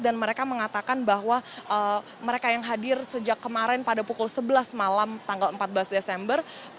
dan mereka mengatakan bahwa mereka yang hadir sejak kemarin pada pukul sebelas malam tanggal empat belas desember